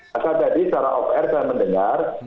maka tadi secara off air saya mendengar